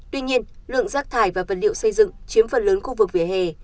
tuy nhiên lượng rác thải và vật liệu xây dựng chiếm phần lớn khu vực vỉa hè